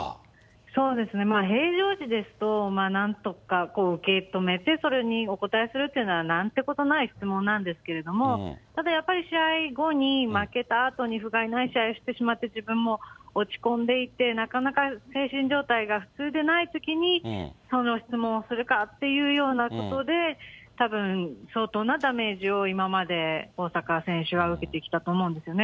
そうですね、平常時ですと、なんとか受け止めて、それにお答えするというのはなんてことない質問なんですけれども、ただやっぱり試合後に、負けたあとにふがいない試合をしてしまって、自分も落ち込んでいて、なかなか精神状態が普通でないときに、その質問をするかっていうようなことで、たぶん、相当なダメージを今まで、大坂選手は受けてきたと思うんですよね。